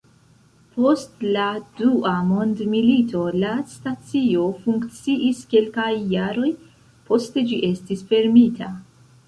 Post la Dua Mondmilito, la stacio funkciis kelkaj jaroj, poste ĝi estis fermita.